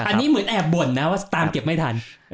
อันนี้เหมือนแอบบ่นนะว่าตามเก็บไม่ทัน